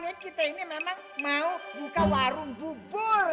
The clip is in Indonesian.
ya kita ini memang mau buka warung bubur